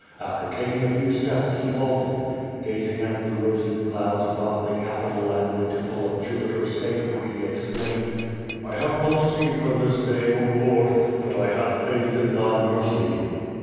After taking a few steps he halted. Gazing at the rosy clouds above the Capitol and the Temple of Jupiter Stator he exclaimed: '"l have not seen her this diiy, oh. Lord, but 1 have faith in Thy mercy."